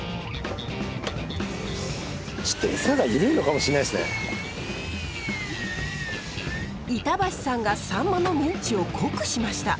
ちょっと板橋さんがサンマのミンチを濃くしました。